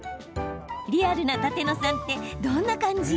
リアルな舘野さんってどんな感じ？